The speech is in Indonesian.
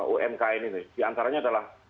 umkm ini di antaranya adalah